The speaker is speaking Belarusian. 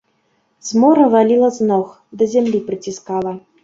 Змора валіла з ног, да зямлі прыціскала.